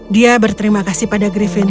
dia berterima kasih pada grifin